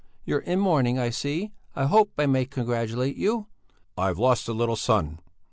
You're in mourning, I see; I hope I may congratulate you." "I've lost a little son."